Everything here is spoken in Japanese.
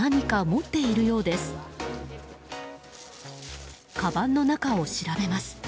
かばんの中を調べます。